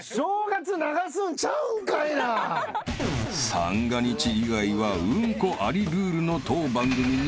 ［三が日以外はうんこありルールの当番組に］